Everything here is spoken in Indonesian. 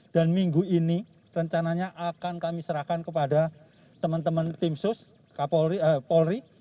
dan minggu ini rencananya akan kami serahkan kepada teman teman tim sus polri